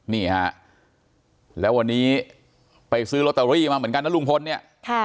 นี่ฮะแล้ววันนี้ไปซื้อลอตเตอรี่มาเหมือนกันนะลุงพลเนี่ยค่ะ